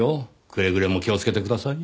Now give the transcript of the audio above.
くれぐれも気をつけてください。